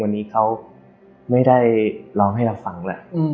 วันนี้เขาไม่ได้ร้องให้เราฟังแหละ